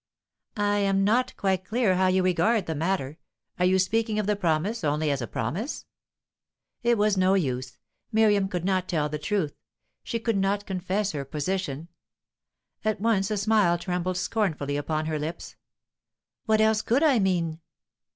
"I am not quite clear how you regard the matter. Are you speaking of the promise only as a promise?" It was no use. Miriam could not tell the truth; she could not confess her position. At once a smile trembled scornfully upon her lips. "What else could I mean?"